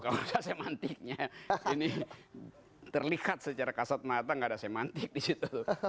kalau ada semantiknya ini terlihat secara kasat mata nggak ada semantik di situ